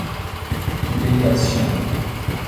تودهای از شن